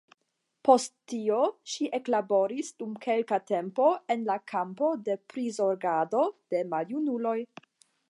Post tio ŝi eklaboris dum kelka tempo en la kampo de prizorgado de maljunuloj.